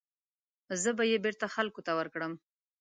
زه به یې بېرته خلکو ته ورکړم.